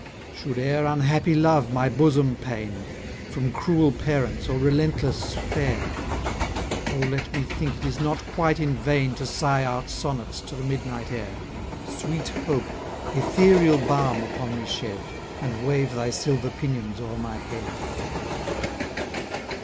Should e'er unhappy love my bosom pain, From cruel parents, or relentless fair; O let me think it is not quite in vain To sigh out sonnets to the midnight air! Sweet Hope, ethereal balm upon me shed. And wave thy silver pinions o'er my head!